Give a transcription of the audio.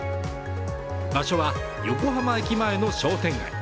場所は、横浜駅前の商店街。